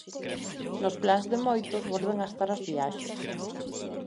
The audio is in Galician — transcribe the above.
Nos plans de moitos volven a estar as viaxes.